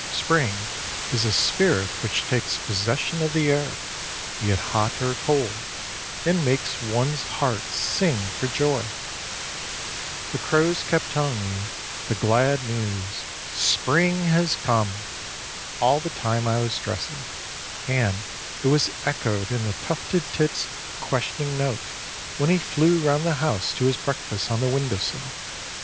Spring is a spirit which takes possession of the air, be it hot or cold, and makes one's heart sing for joy. The crows kept telling me the glad news, "Spring has come!" all the time I was dressing, and it was echoed in the tufted tit's questioning note when he flew round the house to his breakfast on the window sill.